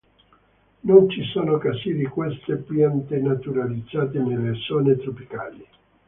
Non ci sono casi di queste piante naturalizzate nelle zone tropicali.